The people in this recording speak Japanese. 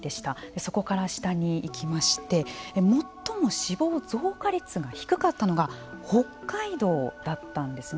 そこから下に行きまして最も死亡増加率が低かったのが北海道だったんですね。